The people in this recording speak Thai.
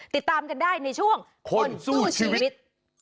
ติดตามกันได้ในช่วงคนสู้ชีวิต